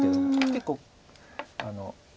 結構。